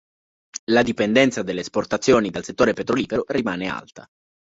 La dipendenza delle esportazioni dal settore petrolifero rimane alta.